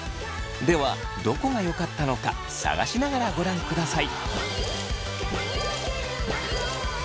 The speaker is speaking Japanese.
ではどこがよかったのか探しながらご覧ください。